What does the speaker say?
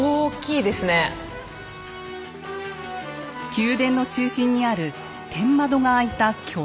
宮殿の中心にある天窓が開いた巨大なホール。